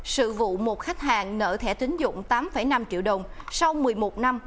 sự vụ một khách hàng nợ thẻ tính dụng tám năm triệu đồng sau một mươi một năm